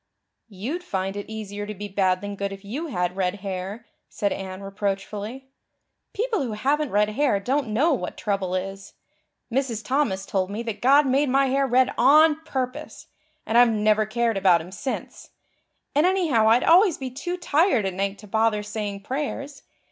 "You'd find it easier to be bad than good if you had red hair," said Anne reproachfully. "People who haven't red hair don't know what trouble is. Mrs. Thomas told me that God made my hair red on purpose, and I've never cared about Him since. And anyhow I'd always be too tired at night to bother saying prayers.